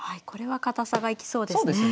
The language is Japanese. これは堅さが生きそうですね。